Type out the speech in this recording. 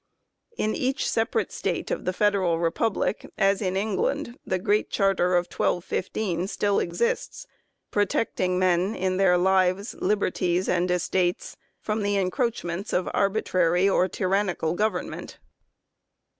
In each separate State of the Federal Republic, as in England, the Great Charter of 1215 still exists, protecting men in their lives, liberties, and estates from the encroachments of arbitrary or tyrannical government.